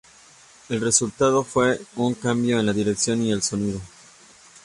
El resultado fue un cambio en la dirección y el sonido.